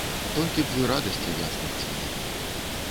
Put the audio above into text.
Толькі б вы радасцю яснай цвілі.